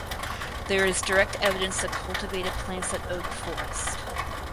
There is direct evidence of cultivated plants at Oak Forest.